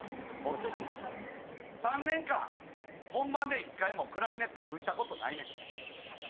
３年間本番で一回もクラリネット吹いたことないねんて。